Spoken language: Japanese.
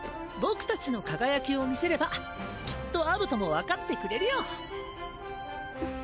僕たちの輝きを見せればきっとアブトもわかってくれるよ。